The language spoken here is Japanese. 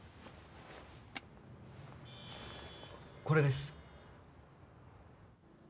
これです。